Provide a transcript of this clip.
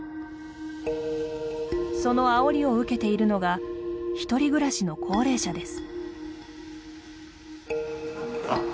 そのあおりを受けているのが１人暮らしの高齢者です。